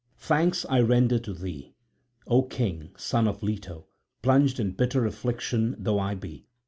Thanks I render to thee, O king, son of Leto, plunged in bitter affliction though I be.